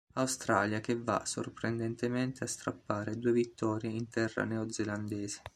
Australia che va sorprendentemente a strappare due vittorie in terra neozelandese.